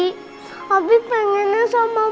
tapi pengennya sama bu